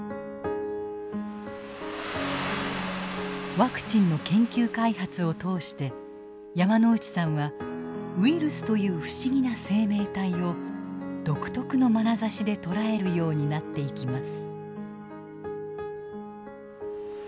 ワクチンの研究開発を通して山内さんはウイルスという不思議な生命体を独特のまなざしで捉えるようになっていきます。